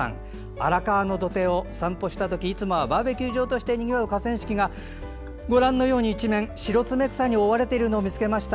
荒川の土手を散歩したときいつもはバーベキュー場としてにぎわう河川敷が、ご覧のように一面、シロツメクサに覆われているのを見つけました。